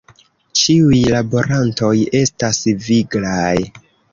Ĉiuj laborantoj estas viglaj.